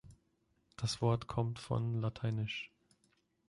Das Wort kommt von lat.